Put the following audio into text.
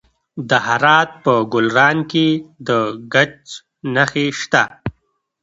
د هرات په ګلران کې د ګچ نښې شته.